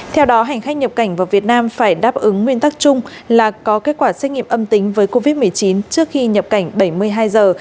theo đó hành khách nhập cảnh vào việt nam phải đáp ứng nguyên tắc chung là có kết quả xét nghiệm âm tính với covid một mươi chín trước khi nhập cảnh bảy mươi hai giờ